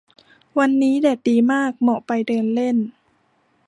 วันนี้แดดดีมาก เหมาะไปเดินเล่น